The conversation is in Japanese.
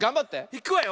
いくわよ。